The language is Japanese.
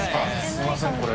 すいませんこれ。